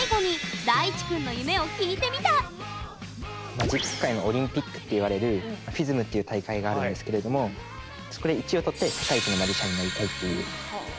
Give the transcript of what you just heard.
マジック界のオリンピックって言われるＦＩＳＭっていう大会があるんですけれどもそこで１位を取ってなってほしいよ。